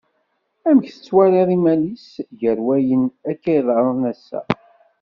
Amek tettwaliḍ imal-is gar wayen akka iḍerrun ass-a?